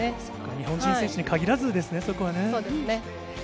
日本人選手に限らずですね、そうですね。